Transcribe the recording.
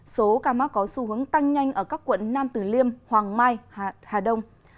số ca mắc có xu hướng tăng nhanh ở các quận nam tử liêm hoàng mai hà đông